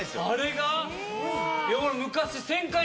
あれが⁉俺昔。